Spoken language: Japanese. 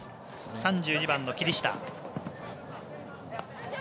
３２番の霧下。